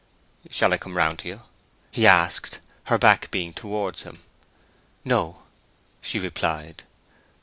"Shall I come round to you?" he asked, her back being towards him. "No," she replied.